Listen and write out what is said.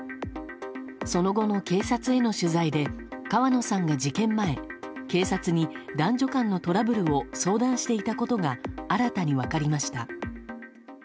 その後の警察への取材で川野さんが事件前警察に男女間のトラブルを相談していたことが新たに分かりました。